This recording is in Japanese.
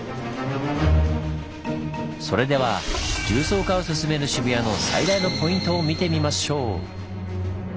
それでは重層化を進める渋谷の最大のポイントを見てみましょう！